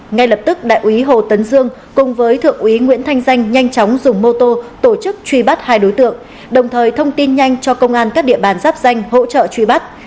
ngay lập tức đại úy hồ tấn dương cùng với thượng úy nguyễn thanh danh nhanh chóng dùng mô tô tổ chức truy bắt hai đối tượng đồng thời thông tin nhanh cho công an các địa bàn giáp danh hỗ trợ truy bắt